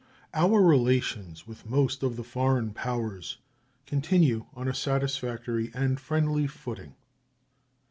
Our relations with most of the foreign powers continue on a satisfactory and friendly footing.